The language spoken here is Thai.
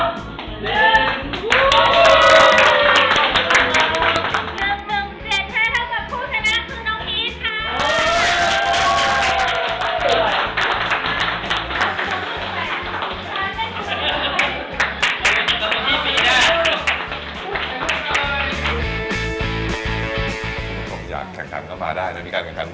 ผมอยากแข่งขันขันเบาท์บ่อยไหม